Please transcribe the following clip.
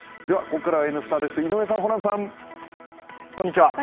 ここからは「Ｎスタ」です、井上さん、ホランさん。